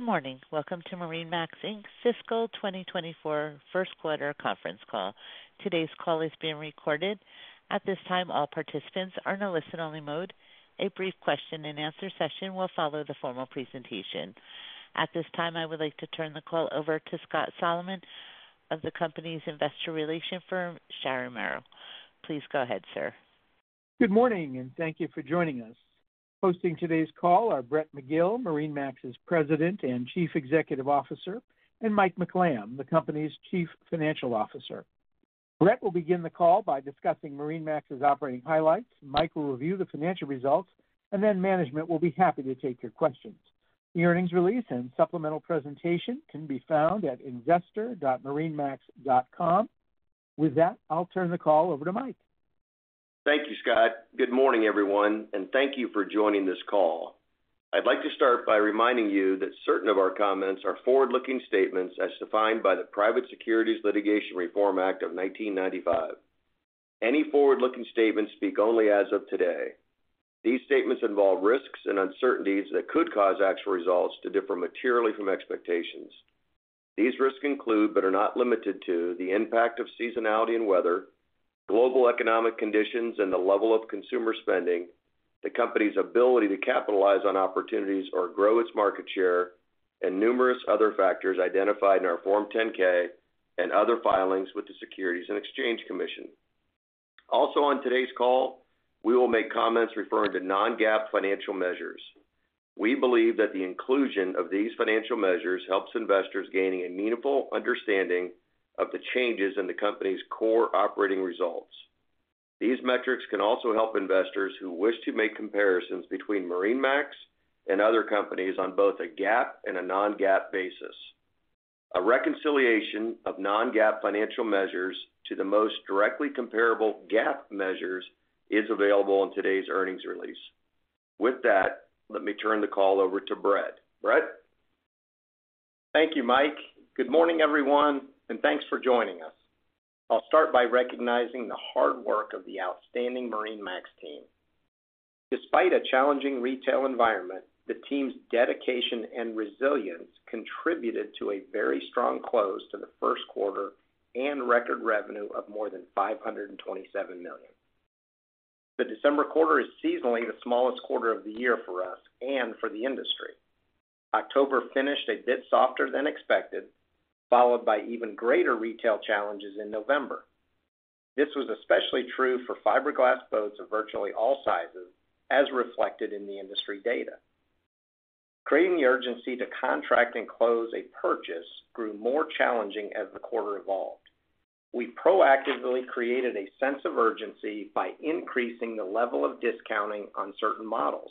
Good morning. Welcome to MarineMax, Inc's fiscal 2024 first quarter conference call. Today's call is being recorded. At this time, all participants are in a listen-only mode. A brief question-and-answer session will follow the formal presentation. At this time, I would like to turn the call over to Scott Solomon of the company's investor relation firm, Sharon Merrill. Please go ahead, sir. Good morning, and thank you for joining us. Hosting today's call are Brett McGill, MarineMax's President and Chief Executive Officer, and Mike McLamb, the company's Chief Financial Officer. Brett will begin the call by discussing MarineMax's operating highlights. Mike will review the financial results, and then management will be happy to take your questions. The earnings release and supplemental presentation can be found at investor.marinemax.com. With that, I'll turn the call over to Mike. Thank you, Scott. Good morning, everyone, and thank you for joining this call. I'd like to start by reminding you that certain of our comments are forward-looking statements as defined by the Private Securities Litigation Reform Act of 1995. Any forward-looking statements speak only as of today. These statements involve risks and uncertainties that could cause actual results to differ materially from expectations. These risks include, but are not limited to, the impact of seasonality and weather, global economic conditions, and the level of consumer spending, the company's ability to capitalize on opportunities or grow its market share, and numerous other factors identified in our Form 10-K and other filings with the Securities and Exchange Commission. Also on today's call, we will make comments referring to non-GAAP financial measures. We believe that the inclusion of these financial measures helps investors gaining a meaningful understanding of the changes in the company's core operating results. These metrics can also help investors who wish to make comparisons between MarineMax and other companies on both a GAAP and a non-GAAP basis. A reconciliation of non-GAAP financial measures to the most directly comparable GAAP measures is available in today's earnings release. With that, let me turn the call over to Brett. Brett? Thank you, Mike. Good morning, everyone, and thanks for joining us. I'll start by recognizing the hard work of the outstanding MarineMax team. Despite a challenging retail environment, the team's dedication and resilience contributed to a very strong close to the first quarter and record revenue of more than $527 million. The December quarter is seasonally the smallest quarter of the year for us and for the industry. October finished a bit softer than expected, followed by even greater retail challenges in November. This was especially true for fiberglass boats of virtually all sizes, as reflected in the industry data. Creating the urgency to contract and close a purchase grew more challenging as the quarter evolved. We proactively created a sense of urgency by increasing the level of discounting on certain models.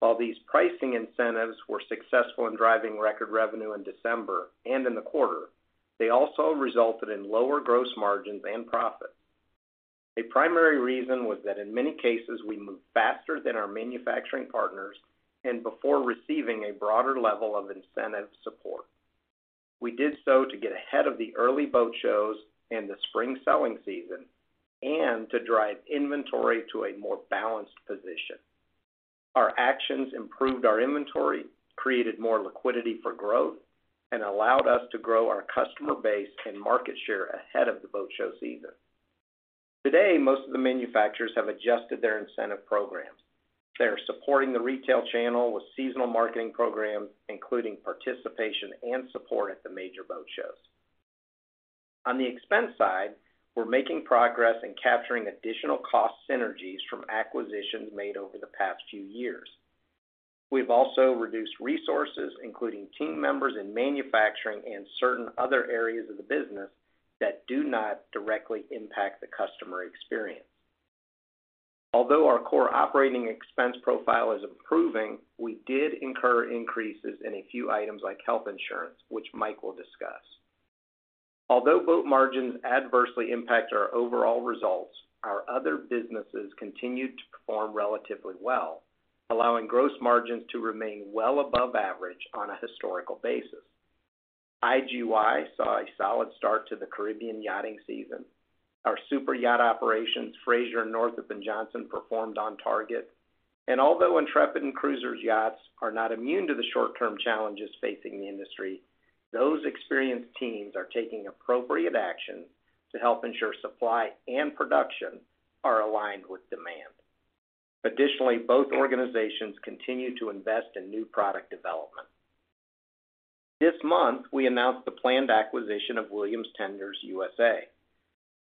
While these pricing incentives were successful in driving record revenue in December and in the quarter, they also resulted in lower gross margins and profits. A primary reason was that in many cases, we moved faster than our manufacturing partners and before receiving a broader level of incentive support. We did so to get ahead of the early boat shows and the spring selling season, and to drive inventory to a more balanced position. Our actions improved our inventory, created more liquidity for growth, and allowed us to grow our customer base and market share ahead of the boat show season. Today, most of the manufacturers have adjusted their incentive programs. They are supporting the retail channel with seasonal marketing programs, including participation and support at the major boat shows. On the expense side, we're making progress in capturing additional cost synergies from acquisitions made over the past few years. We've also reduced resources, including team members in manufacturing and certain other areas of the business that do not directly impact the customer experience. Although our core operating expense profile is improving, we did incur increases in a few items like health insurance, which Mike will discuss. Although boat margins adversely impact our overall results, our other businesses continued to perform relatively well, allowing gross margins to remain well above average on a historical basis. IGY saw a solid start to the Caribbean yachting season. Our super yacht operations, Fraser, Northrop & Johnson, performed on target. Although Intrepid and Cruisers Yachts are not immune to the short-term challenges facing the industry, those experienced teams are taking appropriate action to help ensure supply and production are aligned with demand. Additionally, both organizations continue to invest in new product development. This month, we announced the planned acquisition of Williams Tenders USA.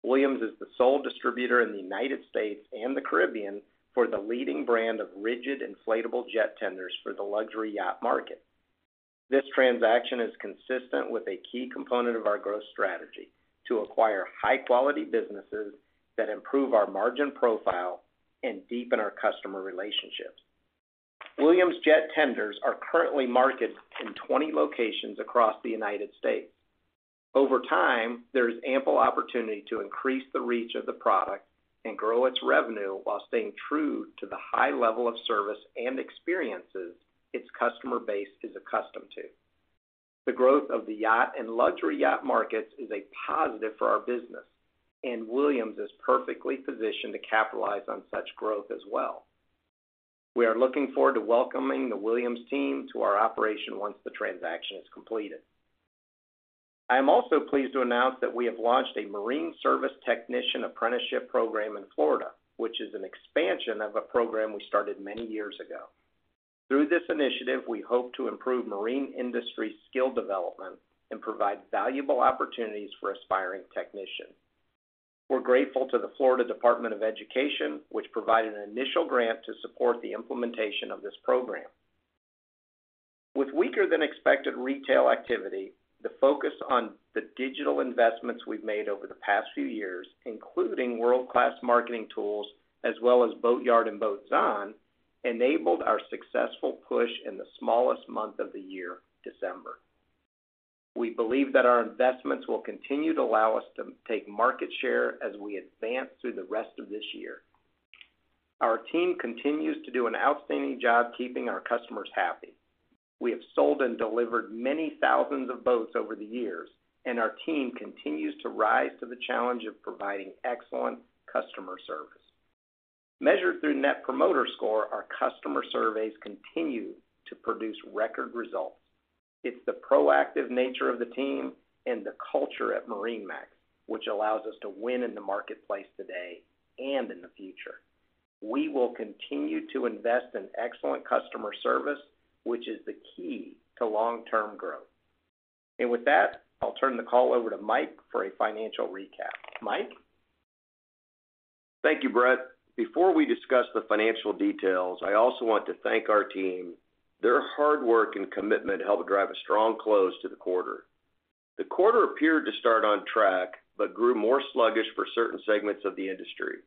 Williams is the sole distributor in the United States and the Caribbean for the leading brand of rigid, inflatable jet tenders for the luxury yacht market. This transaction is consistent with a key component of our growth strategy to acquire high-quality businesses that improve our margin profile and deepen our customer relationships. Williams Jet Tenders are currently marketed in 20 locations across the United States. Over time, there is ample opportunity to increase the reach of the product and grow its revenue while staying true to the high level of service and experiences its customer base is accustomed to.... The growth of the yacht and luxury yacht markets is a positive for our business, and Williams is perfectly positioned to capitalize on such growth as well. We are looking forward to welcoming the Williams team to our operation once the transaction is completed. I am also pleased to announce that we have launched a marine service technician apprenticeship program in Florida, which is an expansion of a program we started many years ago. Through this initiative, we hope to improve marine industry skill development and provide valuable opportunities for aspiring technicians. We're grateful to the Florida Department of Education, which provided an initial grant to support the implementation of this program. With weaker than expected retail activity, the focus on the digital investments we've made over the past few years, including world-class marketing tools, as well as Boatyard and Boatzon enabled our successful push in the smallest month of the year, December. We believe that our investments will continue to allow us to take market share as we advance through the rest of this year. Our team continues to do an outstanding job keeping our customers happy. We have sold and delivered many thousands of boats over the years, and our team continues to rise to the challenge of providing excellent customer service. Measured through Net Promoter Score, our customer surveys continue to produce record results. It's the proactive nature of the team and the culture at MarineMax, which allows us to win in the marketplace today and in the future. We will continue to invest in excellent customer service, which is the key to long-term growth. And with that, I'll turn the call over to Mike for a financial recap. Mike? Thank you, Brett. Before we discuss the financial details, I also want to thank our team. Their hard work and commitment helped drive a strong close to the quarter. The quarter appeared to start on track, but grew more sluggish for certain segments of the industry.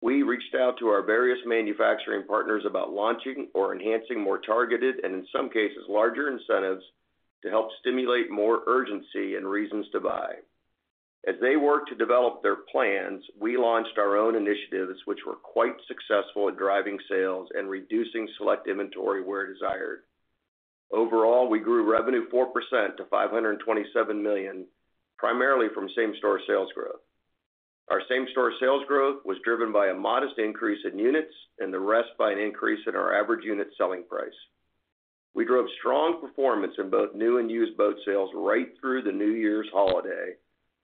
We reached out to our various manufacturing partners about launching or enhancing more targeted and, in some cases, larger incentives to help stimulate more urgency and reasons to buy. As they worked to develop their plans, we launched our own initiatives, which were quite successful in driving sales and reducing select inventory where desired. Overall, we grew revenue 4% to $527 million, primarily from same-store sales growth. Our same-store sales growth was driven by a modest increase in units and the rest by an increase in our average unit selling price. We drove strong performance in both new and used boat sales right through the New Year's holiday,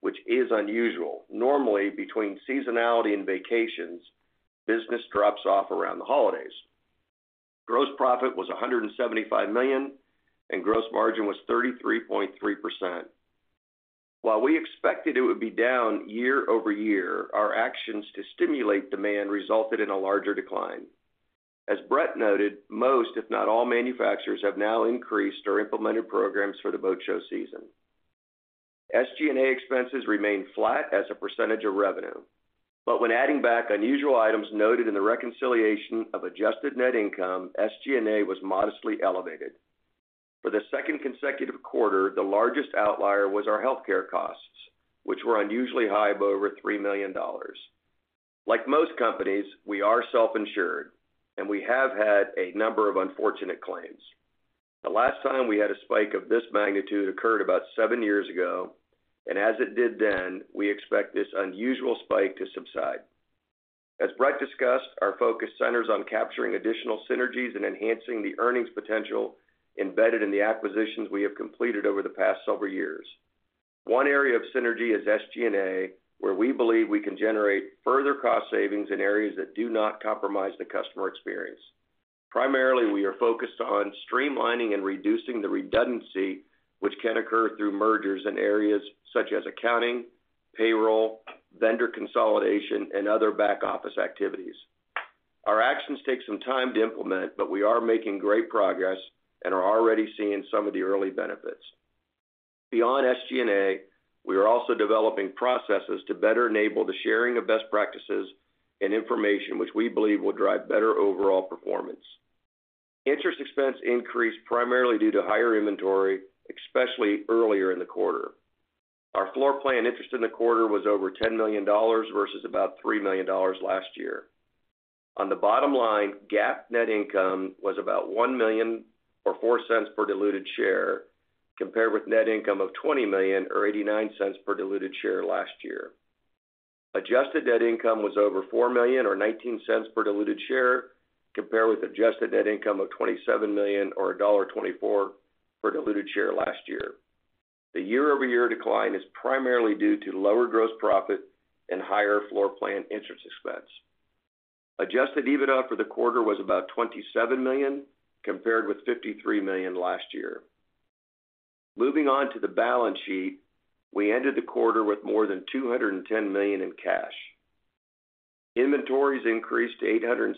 which is unusual. Normally, between seasonality and vacations, business drops off around the holidays. Gross profit was $175 million, and gross margin was 33.3%. While we expected it would be down year-over-year, our actions to stimulate demand resulted in a larger decline. As Brett noted, most, if not all, manufacturers have now increased or implemented programs for the boat show season. SG&A expenses remained flat as a percentage of revenue, but when adding back unusual items noted in the reconciliation of adjusted net income, SG&A was modestly elevated. For the second consecutive quarter, the largest outlier was our healthcare costs, which were unusually high of over $3 million. Like most companies, we are self-insured, and we have had a number of unfortunate claims. The last time we had a spike of this magnitude occurred about seven years ago, and as it did then, we expect this unusual spike to subside. As Brett discussed, our focus centers on capturing additional synergies and enhancing the earnings potential embedded in the acquisitions we have completed over the past several years. One area of synergy is SG&A, where we believe we can generate further cost savings in areas that do not compromise the customer experience. Primarily, we are focused on streamlining and reducing the redundancy, which can occur through mergers in areas such as accounting, payroll, vendor consolidation, and other back-office activities. Our actions take some time to implement, but we are making great progress and are already seeing some of the early benefits. Beyond SG&A, we are also developing processes to better enable the sharing of best practices and information, which we believe will drive better overall performance. Interest expense increased primarily due to higher inventory, especially earlier in the quarter. Our floorplan interest in the quarter was over $10 million, versus about $3 million last year. On the bottom line, GAAP net income was about $1 million or $0.04 per diluted share, compared with net income of $20 million or $0.89 per diluted share last year. Adjusted net income was over $4 million or $0.19 per diluted share, compared with adjusted net income of $27 million or $1.24 per diluted share last year. The year-over-year decline is primarily due to lower gross profit and higher floorplan interest expense. Adjusted EBITDA for the quarter was about $27 million, compared with $53 million last year. Moving on to the balance sheet. We ended the quarter with more than $210 million in cash. Inventories increased to $876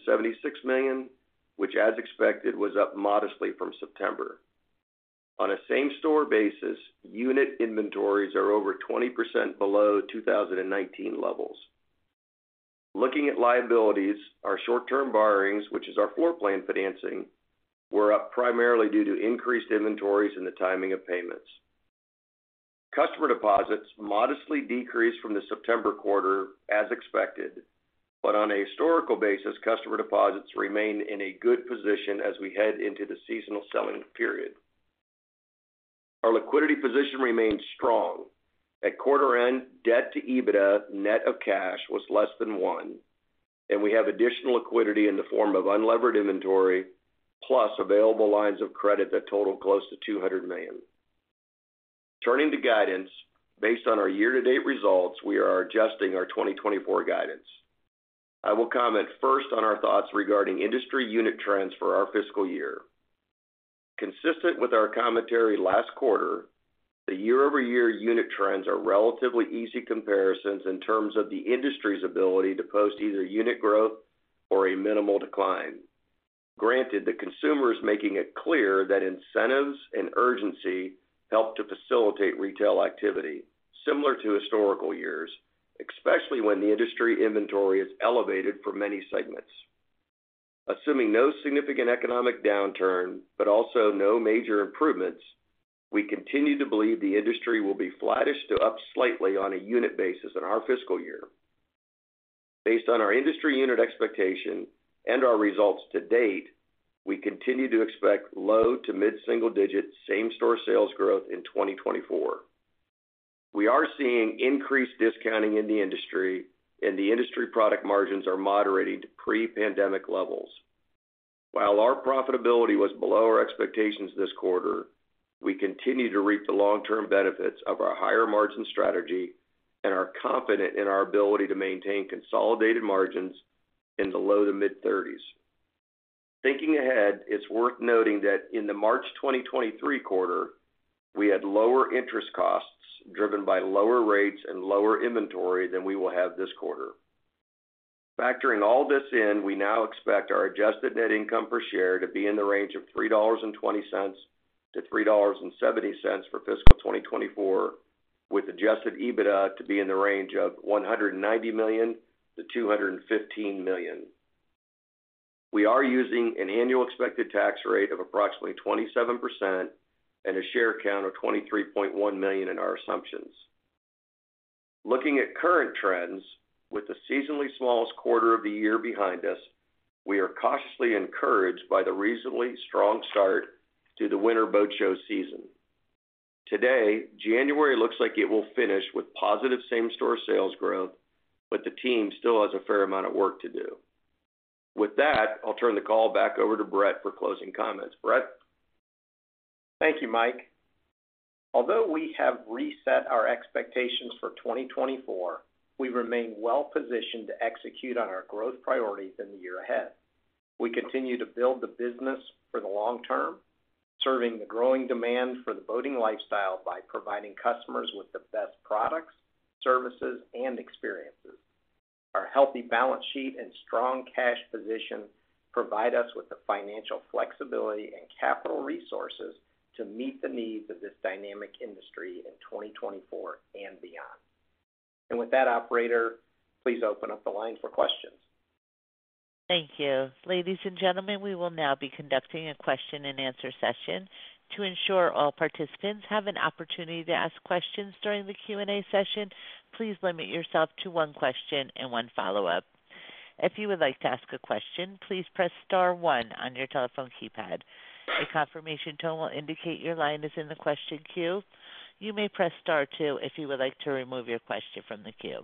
million, which, as expected, was up modestly from September. On a same-store basis, unit inventories are over 20% below 2019 levels. Looking at liabilities, our short-term borrowings, which is our floorplan financing, were up primarily due to increased inventories and the timing of payments. Customer deposits modestly decreased from the September quarter, as expected, but on a historical basis, customer deposits remain in a good position as we head into the seasonal selling period. Our liquidity position remains strong. At quarter end, debt to EBITDA, net of cash, was less than 1, and we have additional liquidity in the form of unlevered inventory, plus available lines of credit that total close to $200 million. Turning to guidance, based on our year-to-date results, we are adjusting our 2024 guidance. I will comment first on our thoughts regarding industry unit trends for our fiscal year. Consistent with our commentary last quarter, the year-over-year unit trends are relatively easy comparisons in terms of the industry's ability to post either unit growth or a minimal decline. Granted, the consumer is making it clear that incentives and urgency help to facilitate retail activity, similar to historical years, especially when the industry inventory is elevated for many segments. Assuming no significant economic downturn, but also no major improvements, we continue to believe the industry will be flattish to up slightly on a unit basis in our fiscal year. Based on our industry unit expectation and our results to date, we continue to expect low to mid-single digit same-store sales growth in 2024. We are seeing increased discounting in the industry, and the industry product margins are moderating to pre-pandemic levels. While our profitability was below our expectations this quarter, we continue to reap the long-term benefits of our higher margin strategy and are confident in our ability to maintain consolidated margins in the low- to mid-thirties. Thinking ahead, it's worth noting that in the March 2023 quarter, we had lower interest costs, driven by lower rates and lower inventory than we will have this quarter. Factoring all this in, we now expect our adjusted net income per share to be in the range of $3.20-$3.70 for fiscal 2024, with adjusted EBITDA to be in the range of $190 million-$215 million. We are using an annual expected tax rate of approximately 27% and a share count of 23.1 million in our assumptions. Looking at current trends, with the seasonally smallest quarter of the year behind us, we are cautiously encouraged by the reasonably strong start to the winter boat show season. Today, January looks like it will finish with positive same-store sales growth, but the team still has a fair amount of work to do. With that, I'll turn the call back over to Brett for closing comments. Brett? Thank you, Mike. Although we have reset our expectations for 2024, we remain well positioned to execute on our growth priorities in the year ahead. We continue to build the business for the long term, serving the growing demand for the boating lifestyle by providing customers with the best products, services, and experiences. Our healthy balance sheet and strong cash position provide us with the financial flexibility and capital resources to meet the needs of this dynamic industry in 2024 and beyond. With that, operator, please open up the line for questions. Thank you. Ladies and gentlemen, we will now be conducting a question-and-answer session. To ensure all participants have an opportunity to ask questions during the Q&A session, please limit yourself to one question and one follow-up. If you would like to ask a question, please press star one on your telephone keypad. A confirmation tone will indicate your line is in the question queue. You may press star two if you would like to remove your question from the queue.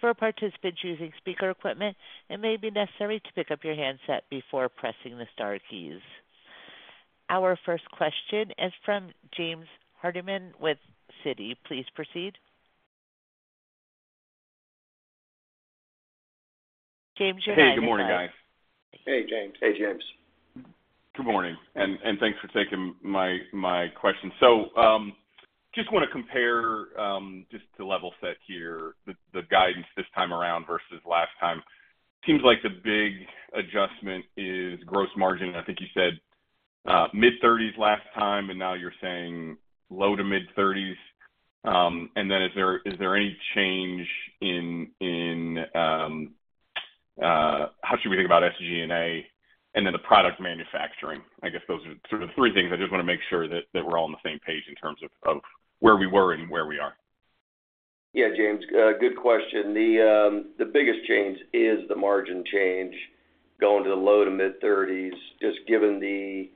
For participants using speaker equipment, it may be necessary to pick up your handset before pressing the star keys. Our first question is from James Hardiman with Citi. Please proceed. James, your line is open. Hey, good morning, guys. Hey, James. Hey, James. Good morning, and thanks for taking my question. So, just want to compare, just to level set here, the guidance this time around versus last time. Seems like the big adjustment is gross margin. I think you said mid-thirties last time, and now you're saying low to mid-thirties. And then is there any change in how should we think about SG&A and then the product manufacturing? I guess those are sort of three things. I just want to make sure that we're all on the same page in terms of where we were and where we are. Yeah, James, good question. The biggest change is the margin change going to the low- to mid-30s%, just given the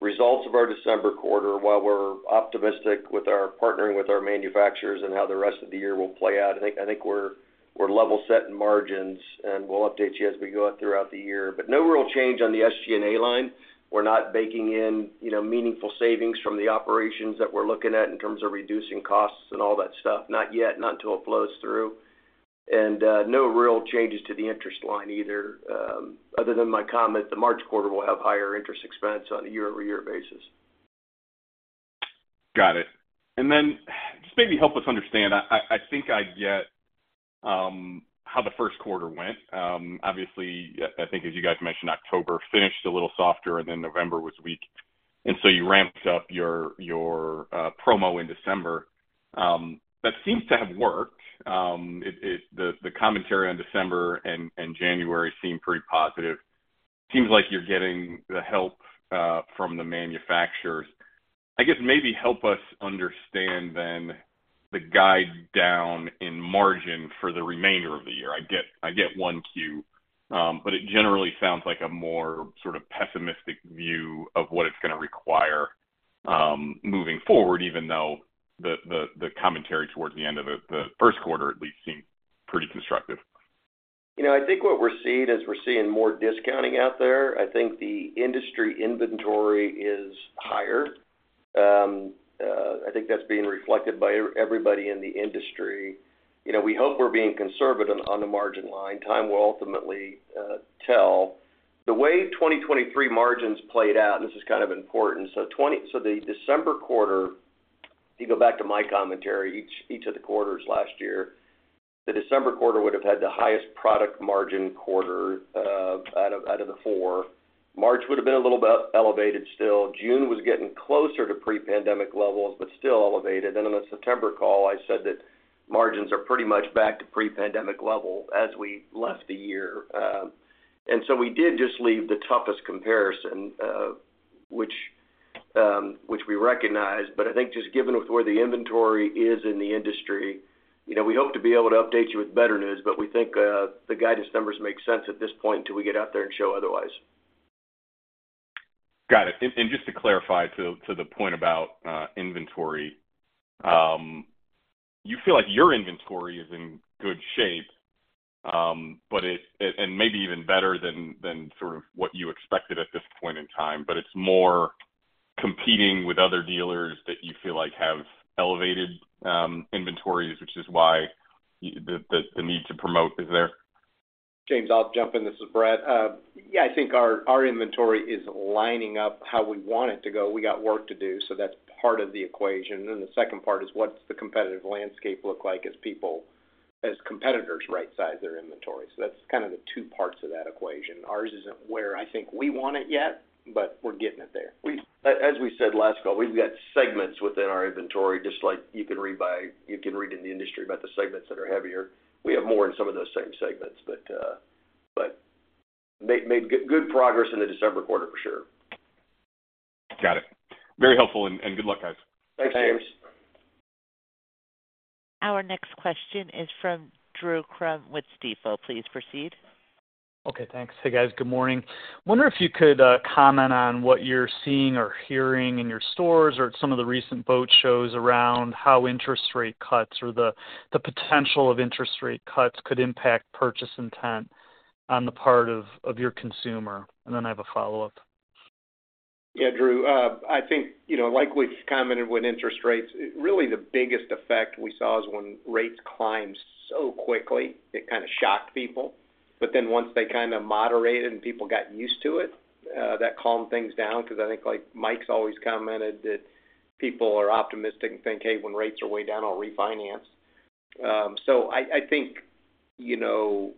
results of our December quarter. While we're optimistic with our partnering with our manufacturers and how the rest of the year will play out, I think we're level set in margins, and we'll update you as we go out throughout the year. But no real change on the SG&A line. We're not baking in, you know, meaningful savings from the operations that we're looking at in terms of reducing costs and all that stuff. Not yet, not until it flows through. No real changes to the interest line either, other than my comment, the March quarter will have higher interest expense on a year-over-year basis. Got it. And then, just maybe help us understand, I think I get how the first quarter went. Obviously, I think as you guys mentioned, October finished a little softer, and then November was weak, and so you ramped up your promo in December. That seems to have worked. The commentary on December and January seem pretty positive.... Seems like you're getting the help from the manufacturers. I guess, maybe help us understand then the guide down in margin for the remainder of the year. I get one Q, but it generally sounds like a more sort of pessimistic view of what it's going to require moving forward, even though the commentary towards the end of the first quarter at least seemed pretty constructive? You know, I think what we're seeing is we're seeing more discounting out there. I think the industry inventory is higher. I think that's being reflected by everybody in the industry. You know, we hope we're being conservative on the margin line. Time will ultimately tell. The way 2023 margins played out, and this is kind of important, so the December quarter, if you go back to my commentary, each of the quarters last year, the December quarter would have had the highest product margin quarter out of the four. March would have been a little bit elevated still. June was getting closer to pre-pandemic levels, but still elevated. Then in the September call, I said that margins are pretty much back to pre-pandemic level as we left the year. So we did just leave the toughest comparison, which we recognize. But I think just given with where the inventory is in the industry, you know, we hope to be able to update you with better news, but we think the guidance numbers make sense at this point until we get out there and show otherwise. Got it. And just to clarify to the point about inventory, you feel like your inventory is in good shape, but maybe even better than sort of what you expected at this point in time, but it's more competing with other dealers that you feel like have elevated inventories, which is why the need to promote is there? James, I'll jump in. This is Brett. Yeah, I think our inventory is lining up how we want it to go. We got work to do, so that's part of the equation. Then the second part is, what's the competitive landscape look like as people, as competitors rightsize their inventory? So that's kind of the two parts of that equation. Ours isn't where I think we want it yet, but we're getting it there. As we said last call, we've got segments within our inventory, just like you can read in the industry about the segments that are heavier. We have more in some of those same segments, but made good progress in the December quarter, for sure. Got it. Very helpful, and, and good luck, guys. Thanks, James. Thanks. Our next question is from Drew Crum with Stifel. Please proceed. Okay, thanks. Hey, guys. Good morning. Wonder if you could comment on what you're seeing or hearing in your stores or some of the recent boat shows around how interest rate cuts or the potential of interest rate cuts could impact purchase intent on the part of your consumer. And then I have a follow-up. Yeah, Drew, I think, you know, like we've commented with interest rates, really, the biggest effect we saw is when rates climbed so quickly, it kind of shocked people. But then once they kind of moderated and people got used to it, that calmed things down, because I think, like Mike's always commented, that people are optimistic and think, "Hey, when rates are way down, I'll refinance." So I, I think, you know,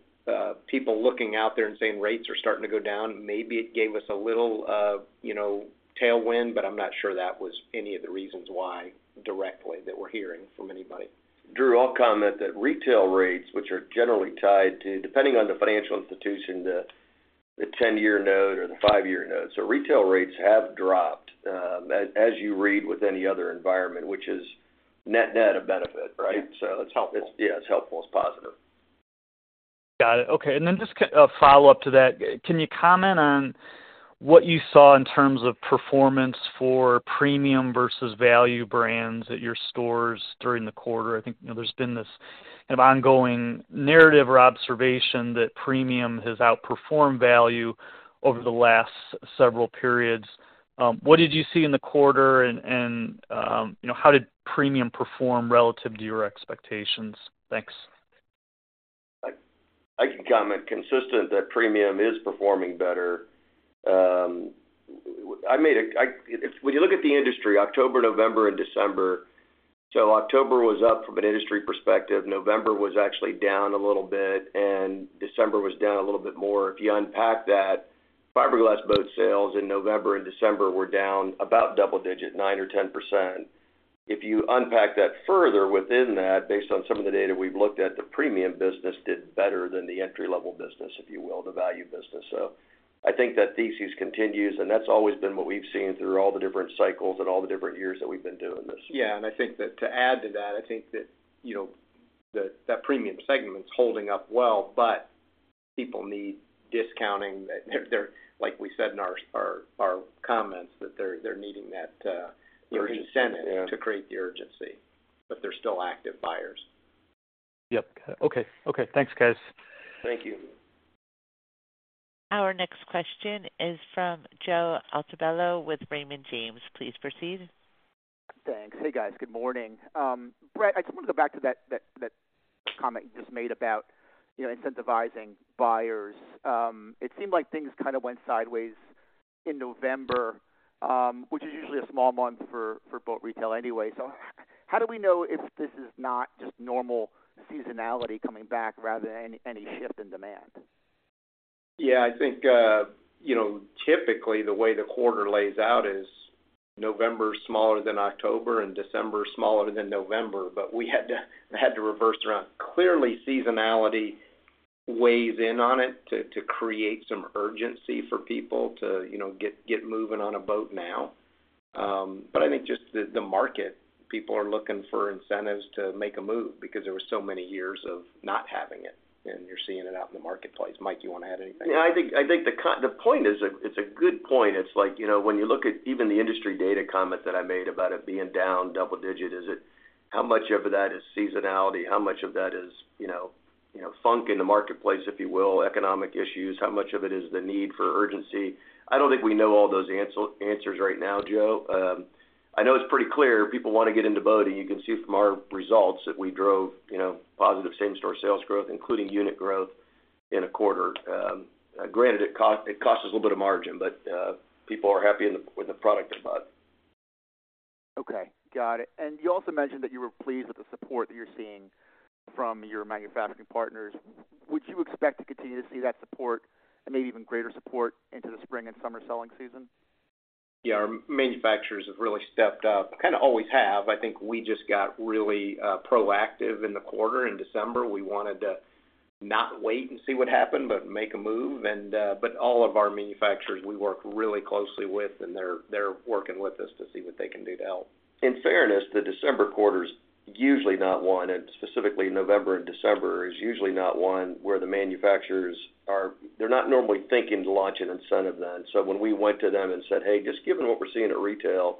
people looking out there and saying rates are starting to go down, maybe it gave us a little, you know, tailwind, but I'm not sure that was any of the reasons why, directly, that we're hearing from anybody. Drew, I'll comment that retail rates, which are generally tied to, depending on the financial institution, the ten-year note or the five-year note. So retail rates have dropped, as you read with any other environment, which is net-net a benefit, right? Yeah. So it's helpful. Yeah, it's helpful, it's positive. Got it. Okay, and then just a follow-up to that. Can you comment on what you saw in terms of performance for premium versus value brands at your stores during the quarter? I think, you know, there's been this kind of ongoing narrative or observation that premium has outperformed value over the last several periods. What did you see in the quarter and, and, you know, how did premium perform relative to your expectations? Thanks. I can comment consistently that premium is performing better. When you look at the industry, October, November, and December, so October was up from an industry perspective, November was actually down a little bit, and December was down a little bit more. If you unpack that, fiberglass boat sales in November and December were down about double-digit, 9% or 10%. If you unpack that further within that, based on some of the data we've looked at, the premium business did better than the entry-level business, if you will, the value business. So I think that thesis continues, and that's always been what we've seen through all the different cycles and all the different years that we've been doing this. Yeah, and I think that to add to that, I think that, you know, the premium segment is holding up well, but people need discounting. They're, like we said in our comments, needing that incentive—yeah—to create the urgency, but they're still active buyers. Yep. Okay. Okay, thanks, guys. Thank you. Our next question is from Joe Altobello with Raymond James. Please proceed. Thanks. Hey, guys. Good morning. Brett, I just want to go back to that comment you just made about, you know, incentivizing buyers. It seemed like things kind of went sideways in November, which is usually a small month for boat retail anyway. So how do we know if this is not just normal seasonality coming back rather than any shift in demand? Yeah, I think, you know, typically, the way the quarter lays out is... November smaller than October, and December smaller than November, but we had to reverse around. Clearly, seasonality weighs in on it to create some urgency for people to, you know, get moving on a boat now. But I think just the market, people are looking for incentives to make a move because there were so many years of not having it, and you're seeing it out in the marketplace. Mike, do you want to add anything? Yeah, I think the key point is, it's a good point. It's like, you know, when you look at even the industry data comment that I made about it being down double-digit, is it how much of that is seasonality? How much of that is, you know, funk in the marketplace, if you will, economic issues? How much of it is the need for urgency? I don't think we know all those answers right now, Joe. I know it's pretty clear people want to get into boating. You can see from our results that we drove, you know, positive same-store sales growth, including unit growth in a quarter. Granted, it cost us a little bit of margin, but people are happy with the product they bought. Okay, got it. You also mentioned that you were pleased with the support that you're seeing from your manufacturing partners. Would you expect to continue to see that support and maybe even greater support into the spring and summer selling season? Yeah, our manufacturers have really stepped up, kind of always have. I think we just got really proactive in the quarter. In December, we wanted to not wait and see what happened, but make a move. But all of our manufacturers we work really closely with, and they're working with us to see what they can do to help. In fairness, the December quarter's usually not one, and specifically November and December, is usually not one where the manufacturers are. They're not normally thinking to launch an incentive then. So when we went to them and said, "Hey, just given what we're seeing at retail,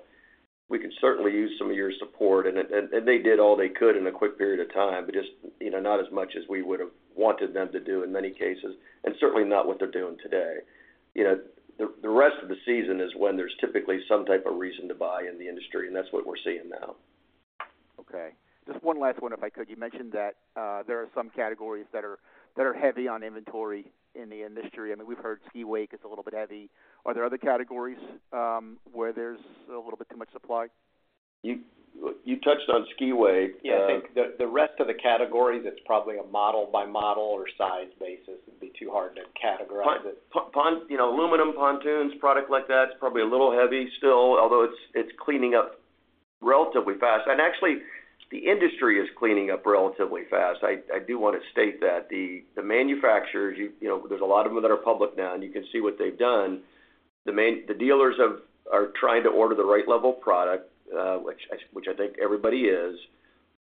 we could certainly use some of your support," and, and, and they did all they could in a quick period of time, but just, you know, not as much as we would have wanted them to do in many cases, and certainly not what they're doing today. You know, the rest of the season is when there's typically some type of reason to buy in the industry, and that's what we're seeing now. Okay. Just one last one, if I could. You mentioned that there are some categories that are heavy on inventory in the industry. I mean, we've heard Ski Wake is a little bit heavy. Are there other categories where there's a little bit too much supply? You touched on ski wake. Yeah, I think the rest of the categories, it's probably a model-by-model or size basis. It'd be too hard to categorize it. You know, aluminum pontoons, product like that, it's probably a little heavy still, although it's cleaning up relatively fast. And actually, the industry is cleaning up relatively fast. I do want to state that the manufacturers, you know, there's a lot of them that are public now, and you can see what they've done. The dealers are trying to order the right level of product, which I think everybody is.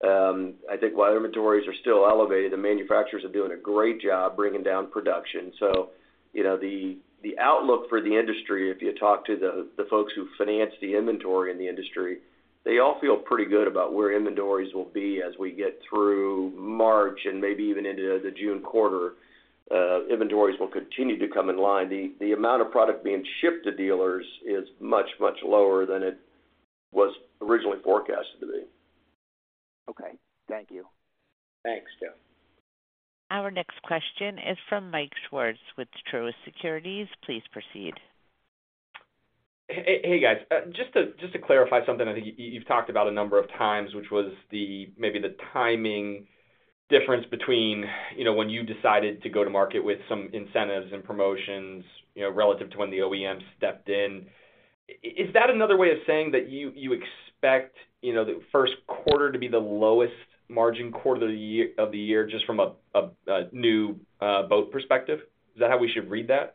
I think while inventories are still elevated, the manufacturers are doing a great job bringing down production. So you know, the outlook for the industry, if you talk to the folks who finance the inventory in the industry, they all feel pretty good about where inventories will be as we get through March and maybe even into the June quarter. Inventories will continue to come in line. The amount of product being shipped to dealers is much, much lower than it was originally forecasted to be. Okay. Thank you. Thanks, Joe. Our next question is from Mike Swartz with Truist Securities. Please proceed. Hey, guys. Just to clarify something, I think you've talked about a number of times, which was the maybe the timing difference between, you know, when you decided to go to market with some incentives and promotions, you know, relative to when the OEM stepped in. Is that another way of saying that you expect, you know, the first quarter to be the lowest margin quarter of the year, of the year, just from a new boat perspective? Is that how we should read that?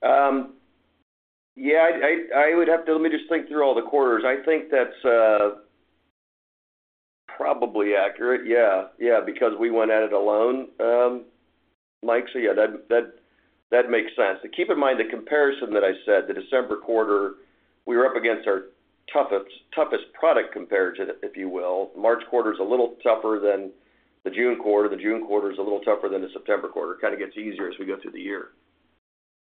Yeah, I would have to... Let me just think through all the quarters. I think that's probably accurate. Yeah. Yeah, because we went at it alone, Mike, so yeah, that makes sense. Keep in mind, the comparison that I said, the December quarter, we were up against our toughest product compared to, if you will. March quarter's a little tougher than the June quarter. The June quarter is a little tougher than the September quarter. Kind of gets easier as we go through the year.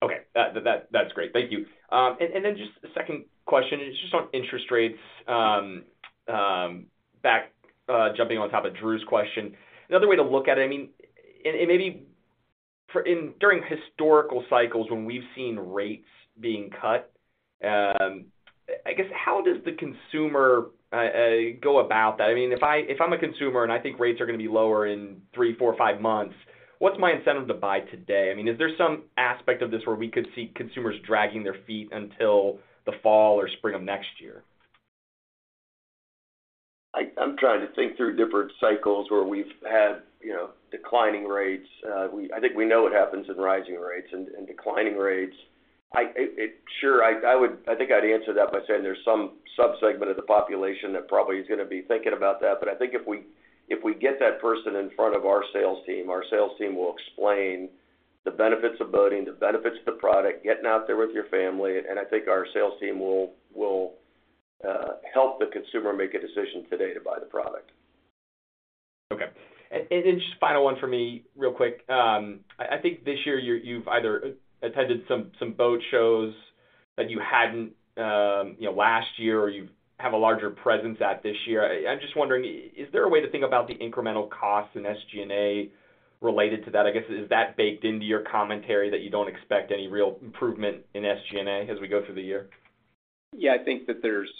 Okay. That's great. Thank you. And then just a second question, it's just on interest rates. Jumping on top of Drew's question, another way to look at it, I mean, maybe during historical cycles when we've seen rates being cut, I guess, how does the consumer go about that? I mean, if I, if I'm a consumer, and I think rates are going to be lower in three, four, or five months, what's my incentive to buy today? I mean, is there some aspect of this where we could see consumers dragging their feet until the fall or spring of next year? I'm trying to think through different cycles where we've had, you know, declining rates. We think we know what happens in rising rates and declining rates. Sure, I would—I think I'd answer that by saying there's some subsegment of the population that probably is going to be thinking about that. But I think if we get that person in front of our sales team, our sales team will explain the benefits of boating, the benefits of the product, getting out there with your family, and I think our sales team will help the consumer make a decision today to buy the product. Okay. And just final one for me, real quick. I think this year, you've either attended some boat shows that you hadn't, you know, last year, or you have a larger presence at this year. I'm just wondering, is there a way to think about the incremental costs in SG&A related to that? I guess, is that baked into your commentary that you don't expect any real improvement in SG&A as we go through the year? Yeah, I think that there's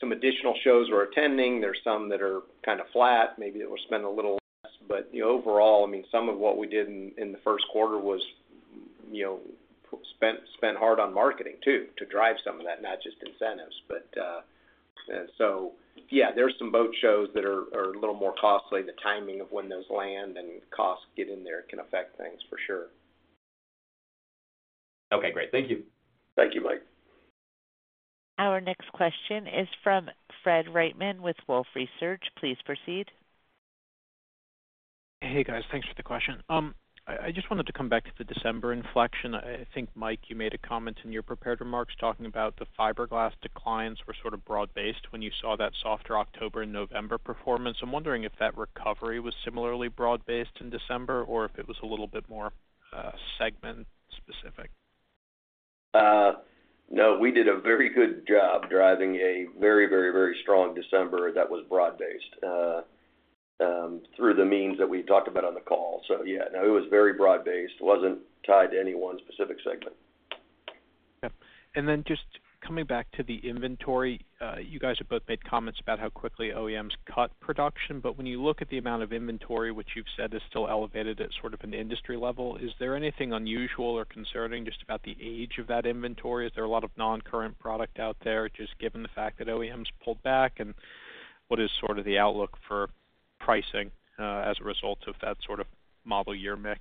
some additional shows we're attending. There's some that are kind of flat. Maybe it will spend a little less, but, you know, overall, I mean, some of what we did in the first quarter was, you know, spent hard on marketing, too, to drive some of that, not just incentives. But, and so, yeah, there's some boat shows that are a little more costly. The timing of when those land and costs get in there can affect things for sure. Okay, great. Thank you. Thank you, Mike. Our next question is from Fred Wightman with Wolfe Research. Please proceed. Hey, guys. Thanks for the question. I just wanted to come back to the December inflection. I think, Mike, you made a comment in your prepared remarks, talking about the fiberglass declines were sort of broad-based when you saw that softer October and November performance. I'm wondering if that recovery was similarly broad-based in December or if it was a little bit more segment-specific. No, we did a very good job driving a very, very, very strong December that was broad-based through the means that we talked about on the call. So yeah, no, it was very broad-based. It wasn't tied to any one specific segment. Yeah. And then just coming back to the inventory, you guys have both made comments about how quickly OEMs cut production. But when you look at the amount of inventory, which you've said is still elevated at sort of an industry level, is there anything unusual or concerning just about the age of that inventory? Is there a lot of non-current product out there, just given the fact that OEMs pulled back? And what is sort of the outlook for pricing, as a result of that sort of model year mix?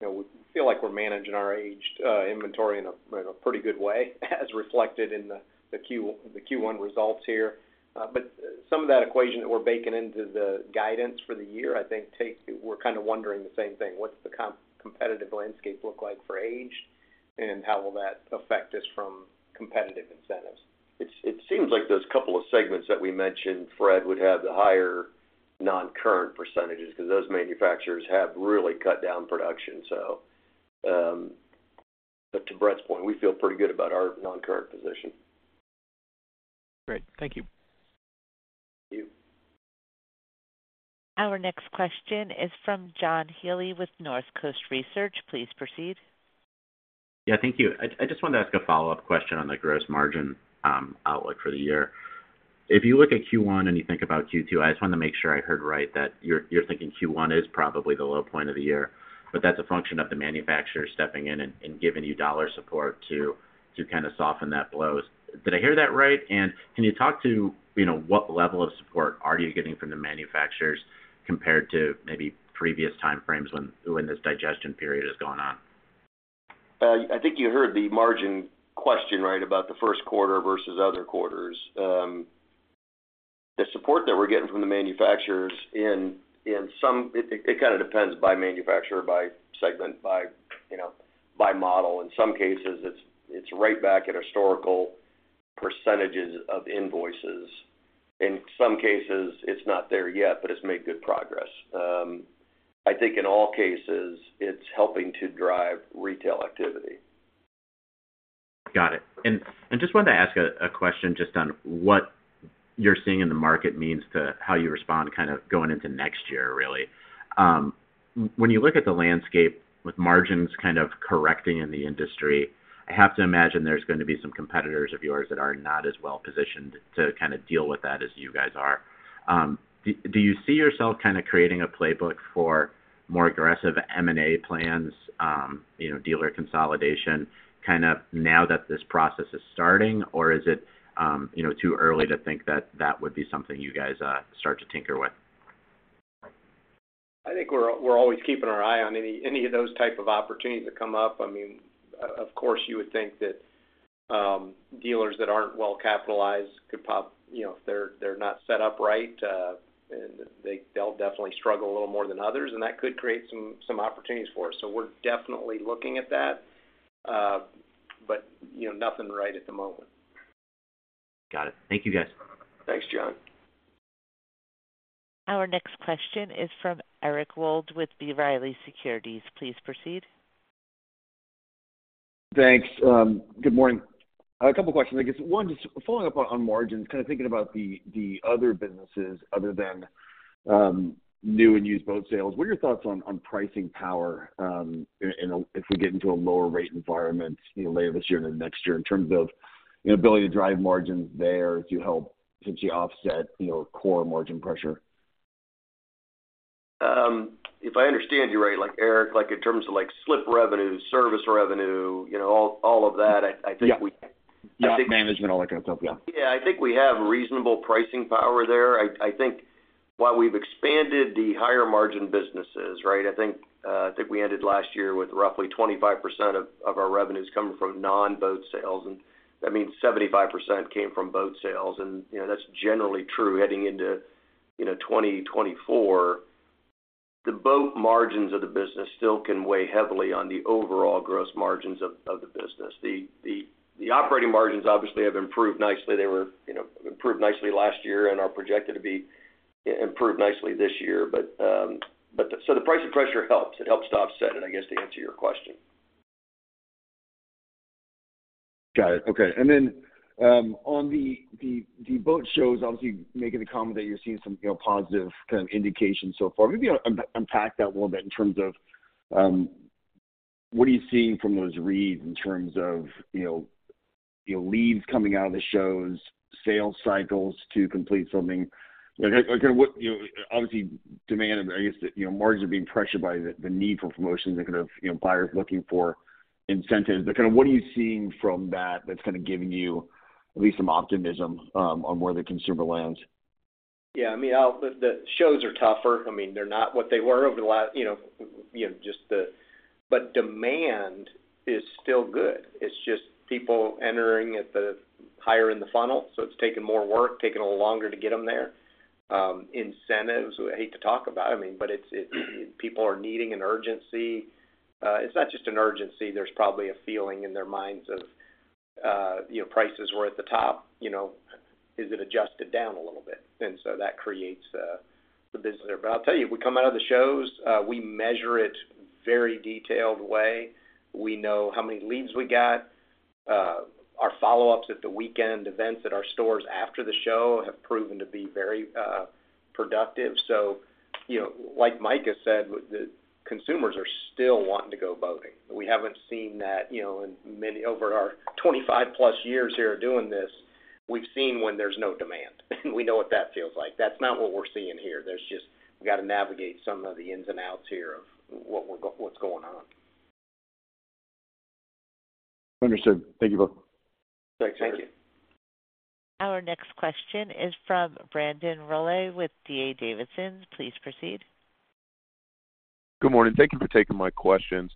You know, we feel like we're managing our aged inventory in a pretty good way, as reflected in the Q1 results here. But some of that equation that we're baking into the guidance for the year, I think takes—we're kind of wondering the same thing. What's the competitive landscape look like for age, and how will that affect us from competitive incentives? It seems like those couple of segments that we mentioned, Fred, would have the higher non-current percentages because those manufacturers have really cut down production. So, but to Brett's point, we feel pretty good about our non-current position. Great. Thank you. Thank you. Our next question is from John Healy with Northcoast Research. Please proceed. Yeah, thank you. I, I just wanted to ask a follow-up question on the gross margin outlook for the year. If you look at Q1 and you think about Q2, I just wanted to make sure I heard right that you're, you're thinking Q1 is probably the low point of the year, but that's a function of the manufacturer stepping in and, and giving you dollar support to, to kind of soften that blow. Did I hear that right? And can you talk to, you know, what level of support are you getting from the manufacturers compared to maybe previous time frames when, when this digestion period is going on? I think you heard the margin question, right, about the first quarter versus other quarters. The support that we're getting from the manufacturers in some—it kind of depends by manufacturer, by segment, by, you know, by model. In some cases, it's right back at historical percentages of invoices. In some cases, it's not there yet, but it's made good progress. I think in all cases, it's helping to drive retail activity. Got it. And just wanted to ask a question just on what you're seeing in the market means to how you respond kind of going into next year, really. When you look at the landscape with margins kind of correcting in the industry, I have to imagine there's going to be some competitors of yours that are not as well positioned to kind of deal with that as you guys are. Do you see yourself kind of creating a playbook for more aggressive M&A plans, you know, dealer consolidation, kind of now that this process is starting? Or is it, you know, too early to think that that would be something you guys start to tinker with? I think we're always keeping our eye on any of those type of opportunities that come up. I mean, of course, you would think that, dealers that aren't well capitalized could pop... You know, if they're not set up right, they'll definitely struggle a little more than others, and that could create some opportunities for us. So we're definitely looking at that, but, you know, nothing right at the moment. Got it. Thank you, guys. Thanks, John. Our next question is from Eric Wold with B. Riley Securities. Please proceed. Thanks. Good morning. A couple questions, I guess. One, just following up on, on margins, kind of thinking about the, the other businesses other than, new and used boat sales. What are your thoughts on, on pricing power, in a- if we get into a lower rate environment, you know, later this year or next year, in terms of, you know, ability to drive margins there to help potentially offset, you know, core margin pressure? If I understand you right, like, Eric, like in terms of, like, slip revenue, service revenue, you know, all of that, I think we- Yeah. Dock management, all that kind of stuff, yeah. Yeah, I think we have reasonable pricing power there. I think while we've expanded the higher margin businesses, right? I think we ended last year with roughly 25% of our revenues coming from non-boat sales, and that means 75% came from boat sales. And, you know, that's generally true heading into, you know, 2024. The boat margins of the business still can weigh heavily on the overall gross margins of the business. The operating margins obviously have improved nicely. They were, you know, improved nicely last year and are projected to be improved nicely this year. But the... So the pricing pressure helps. It helps to offset it, I guess, to answer your question. Got it. Okay. And then, on the boat shows, obviously, making the comment that you're seeing some, you know, positive kind of indications so far. Maybe, unpack that a little bit in terms of... What are you seeing from those reads in terms of, you know, leads coming out of the shows, sales cycles to complete something? Like, kind of what, you know, obviously, demand, I guess, you know, margins are being pressured by the need for promotions and kind of, you know, buyers looking for incentives. But kind of what are you seeing from that that's kind of giving you at least some optimism, on where the consumer lands? Yeah, I mean, all the shows are tougher. I mean, they're not what they were over the last, you know, you know, just the—but demand is still good. It's just people entering at the higher in the funnel, so it's taking more work, taking a little longer to get them there. Incentives, I hate to talk about. I mean, but it's people needing an urgency. It's not just an urgency. There's probably a feeling in their minds of, you know, prices were at the top, you know. Is it adjusted down a little bit? And so that creates the visitor. But I'll tell you, we come out of the shows. We measure it very detailed way. We know how many leads we got. Our follow-ups at the weekend events at our stores after the show have proven to be very productive. So, you know, like Mike has said, the consumers are still wanting to go boating. We haven't seen that, you know, over our 25+ years here doing this, we've seen when there's no demand, and we know what that feels like. That's not what we're seeing here. There's just, we got to navigate some of the ins and outs here of what's going on. Understood. Thank you, both. Thanks, Eric. Our next question is from Brandon Rolle with D.A. Davidson. Please proceed. Good morning. Thank you for taking my questions.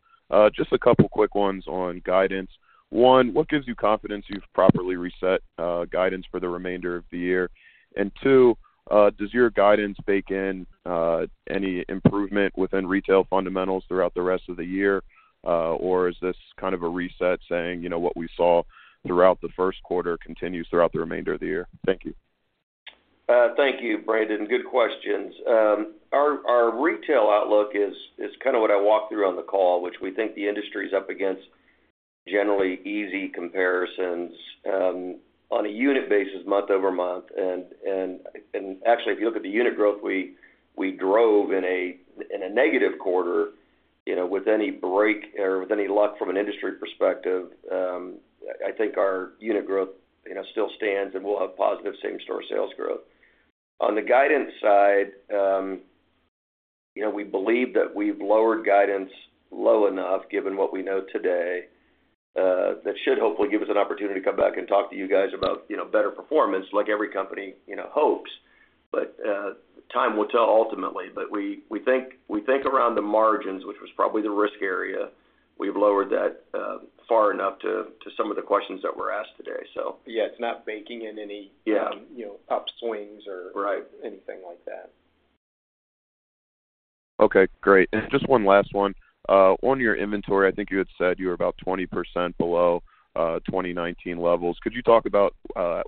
Just a couple of quick ones on guidance. One, what gives you confidence you've properly reset guidance for the remainder of the year? And two, does your guidance bake in any improvement within retail fundamentals throughout the rest of the year? Or is this kind of a reset saying, you know, what we saw throughout the first quarter continues throughout the remainder of the year? Thank you. Thank you, Brandon. Good questions. Our retail outlook is kind of what I walked through on the call, which we think the industry is up against generally easy comparisons on a unit basis, month-over-month. Actually, if you look at the unit growth, we drove in a negative quarter, you know, with any break or with any luck from an industry perspective, I think our unit growth, you know, still stands, and we'll have positive same-store sales growth. On the guidance side, you know, we believe that we've lowered guidance low enough, given what we know today, that should hopefully give us an opportunity to come back and talk to you guys about, you know, better performance, like every company, you know, hopes. But time will tell ultimately. But we think around the margins, which was probably the risk area, we've lowered that far enough to some of the questions that were asked today, so. Yeah, it's not baking in any- Yeah. You know, upswings or- Right anything like that. Okay, great. Just one last one. On your inventory, I think you had said you were about 20% below, 2019 levels. Could you talk about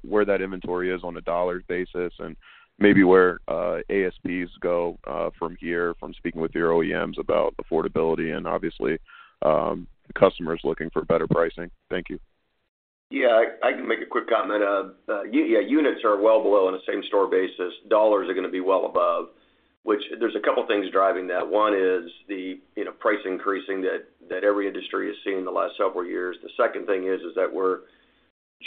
where that inventory is on a dollar basis and maybe where, ASPs go, from here, from speaking with your OEMs about affordability and obviously, customers looking for better pricing? Thank you. Yeah, I, I can make a quick comment. Yeah, units are well below on a same-store basis. Dollars are going to be well above, which there's a couple of things driving that. One is the, you know, price increasing that, that every industry has seen in the last several years. The second thing is, is that we're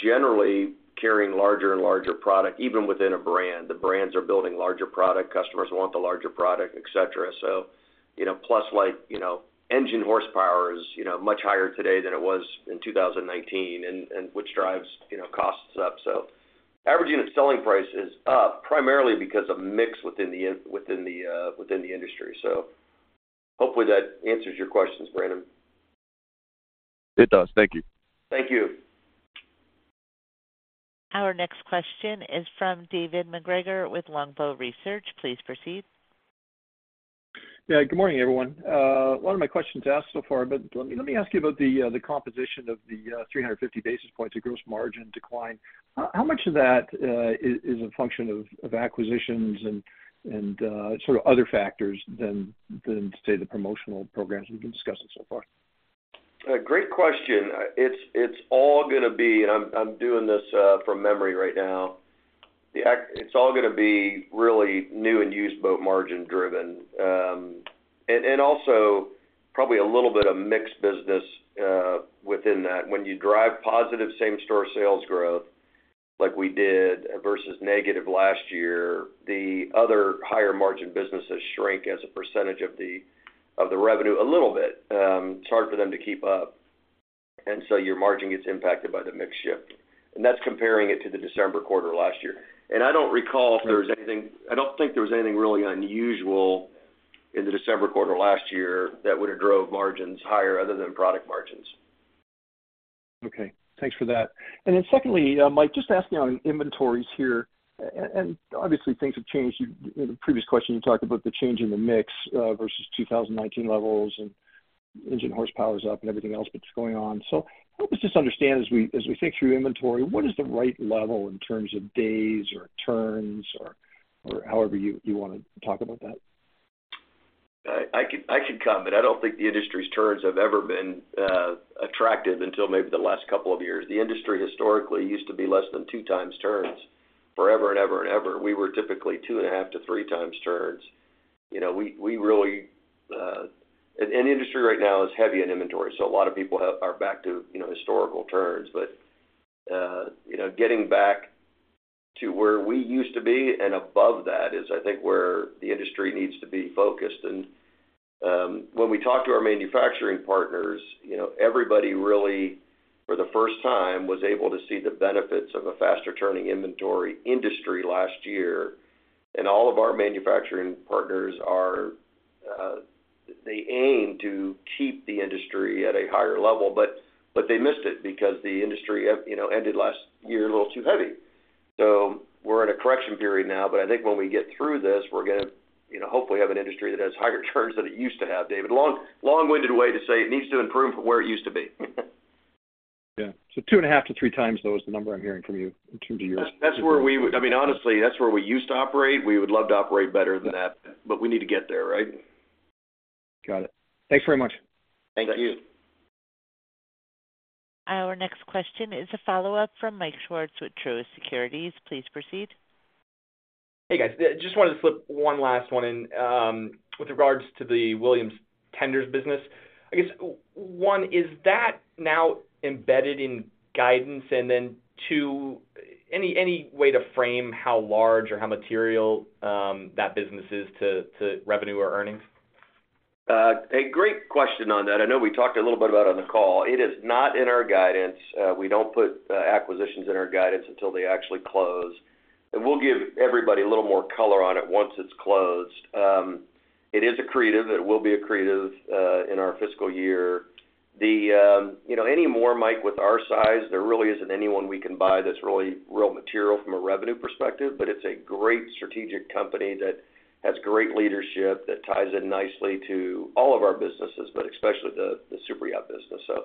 generally carrying larger and larger product, even within a brand. The brands are building larger product, customers want the larger product, et cetera. So you know, plus, like, you know, engine horsepower is, you know, much higher today than it was in 2019, and, and which drives, you know, costs up. So average unit selling price is up, primarily because of mix within the within the industry. So hopefully, that answers your questions, Brandon. It does. Thank you. Thank you. Our next question is from David MacGregor with Longbow Research. Please proceed. Yeah, good morning, everyone. A lot of my questions asked so far, but let me, let me ask you about the composition of the 350 basis points of gross margin decline. How much of that is a function of acquisitions and sort of other factors than, say, the promotional programs we've been discussing so far? Great question. It's, it's all going to be, and I'm, I'm doing this from memory right now. It's all going to be really new and used boat margin driven. And, and also probably a little bit of mixed business within that. When you drive positive same-store sales growth like we did versus negative last year, the other higher margin businesses shrink as a percentage of the, of the revenue a little bit. It's hard for them to keep up, and so your margin gets impacted by the mix shift, and that's comparing it to the December quarter last year. I don't recall if there was anything, I don't think there was anything really unusual in the December quarter last year that would have drove margins higher other than product margins. Okay, thanks for that. And then secondly, Mike, just asking on inventories here, and obviously, things have changed. In the previous question, you talked about the change in the mix versus 2019 levels, and engine horsepower is up and everything else that's going on. So help us just understand as we think through inventory, what is the right level in terms of days or turns or however you want to talk about that? I can comment. I don't think the industry's turns have ever been attractive until maybe the last couple of years. The industry historically used to be less than 2x turns. Forever and ever and ever, we were typically 2.5x-3x turns. You know, we really and the industry right now is heavy in inventory, so a lot of people are back to, you know, historical turns. But you know, getting back to where we used to be and above that is, I think, where the industry needs to be focused. And when we talk to our manufacturing partners, you know, everybody really, for the first time, was able to see the benefits of a faster turning inventory industry last year. All of our manufacturing partners are, they aim to keep the industry at a higher level, but they missed it because the industry, you know, ended last year a little too heavy. So we're in a correction period now, but I think when we get through this, we're gonna, you know, hopefully have an industry that has higher turns than it used to have, David. Long-winded way to say it needs to improve from where it used to be. Yeah. So 2.5-3x, though, is the number I'm hearing from you in terms of years. That's where we would, I mean, honestly, that's where we used to operate. We would love to operate better than that, but we need to get there, right? Got it. Thanks very much. Thank you. Our next question is a follow-up from Mike Schwartz with Truist Securities. Please proceed. Hey, guys. Just wanted to slip one last one in. With regards to the Williams Tenders business, I guess, one, is that now embedded in guidance? And then, two, any way to frame how large or how material, that business is to revenue or earnings? A great question on that. I know we talked a little bit about it on the call. It is not in our guidance. We don't put acquisitions in our guidance until they actually close. And we'll give everybody a little more color on it once it's closed. It is accretive. It will be accretive in our fiscal year. You know, any more, Mike, with our size, there really isn't anyone we can buy that's really real material from a revenue perspective, but it's a great strategic company that has great leadership, that ties in nicely to all of our businesses, but especially the superyacht business. So,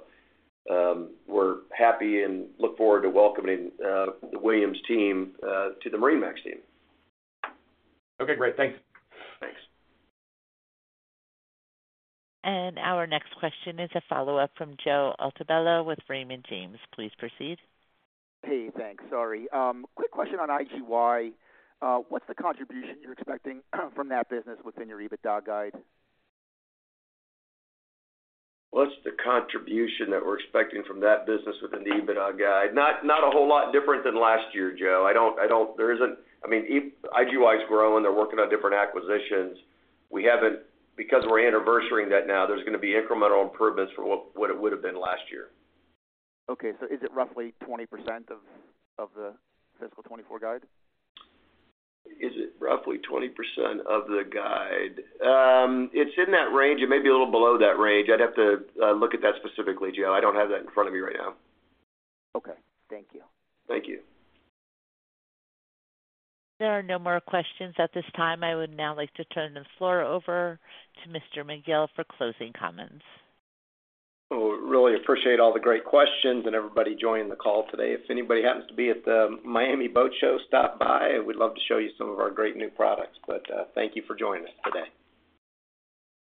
we're happy and look forward to welcoming the Williams team to the MarineMax team. Okay, great. Thanks. Thanks. Our next question is a follow-up from Joe Altobello with Raymond James. Please proceed. Hey, thanks. Sorry. Quick question on IGY. What's the contribution you're expecting from that business within your EBITDA guide? What's the contribution that we're expecting from that business within the EBITDA guide? Not a whole lot different than last year, Joe. I don't. There isn't. I mean, hey, IGY's growing. They're working on different acquisitions. We haven't. Because we're anniversarying that now, there's gonna be incremental improvements from what it would have been last year. Okay. So is it roughly 20% of the fiscal 2024 guide? Is it roughly 20% of the guide? It's in that range. It may be a little below that range. I'd have to look at that specifically, Joe. I don't have that in front of me right now. Okay. Thank you. Thank you. There are no more questions at this time. I would now like to turn the floor over to Mr. McGill for closing comments. Well, really appreciate all the great questions and everybody joining the call today. If anybody happens to be at the Miami Boat Show, stop by. We'd love to show you some of our great new products. But, thank you for joining us today.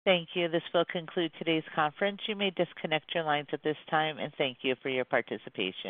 Thank you. This will conclude today's conference. You may disconnect your lines at this time, and thank you for your participation.